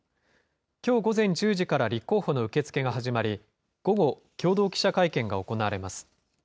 きょう午前１０時から立候補の受け付けが始まり、午後、共同記者会見が行われます。